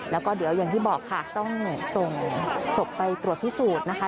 แล้วก็เดี๋ยวอย่างที่บอกค่ะต้องส่งศพไปตรวจพิสูจน์นะคะ